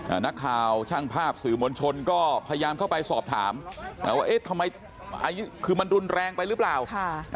นักข่าวช่างภาพสื่อมวลชนก็พยายามเข้าไปสอบถามอ่าว่าเอ๊ะทำไมอายุคือมันรุนแรงไปหรือเปล่าค่ะ